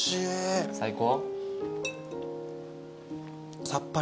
最高。